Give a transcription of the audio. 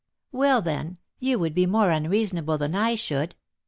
"Well, then, you would be more unreasonable than I should.